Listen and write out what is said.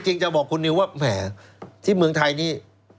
จะบอกคุณนิวว่าแหมที่เมืองไทยนี่